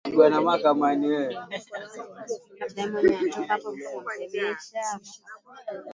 eshafika polisi mwenyekiti kuna mgombea ambaye amechanguliwa na wananchi na ni mfungwa